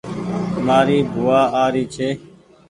مآري بووآ آ ري ڇي